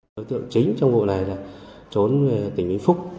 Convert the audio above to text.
đối tượng chính trong vụ này là trốn về tỉnh vĩnh phúc